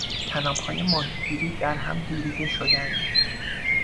طنابهای ماهیگیری در هم گوریده شدند.